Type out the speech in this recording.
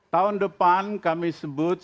tahun depan kami sebut